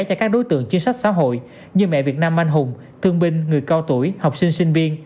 cho các đối tượng chính sách xã hội như mẹ việt nam anh hùng thương binh người cao tuổi học sinh sinh viên